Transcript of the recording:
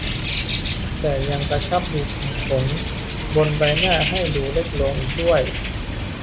แต่ยังกระชับรูขุมขนบนใบหน้าให้ดูเล็กลงอีกด้วย